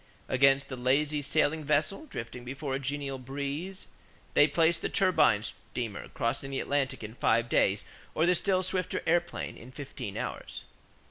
Against the lazy sailing vessel drifting before a genial breeze, they place the turbine steamer crossing the Atlantic in five days or the still swifter airplane, in fifteen hours.